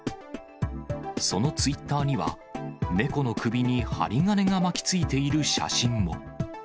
そのツイッターには、猫の首に針金が巻きついている写真も。